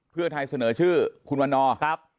เพื่อไทยเสนอชื่อคุณวันนอร์ครับ